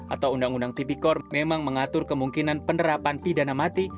atau undang undang tipikor memang mengatur kemungkinan penerapan pidana mati